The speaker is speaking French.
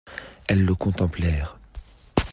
Elles le contemplèrent.